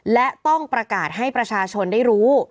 และต้องประกาศให้ประชาชนได้รู้